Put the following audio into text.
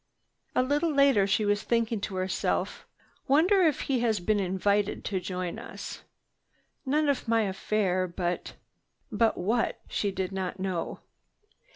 A little later she was thinking to herself, "Wonder if he has been invited to join us. None of my affair—but—" But what? She did not know.